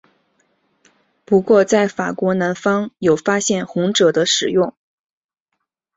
不过在法国南方有发现红赭的使用。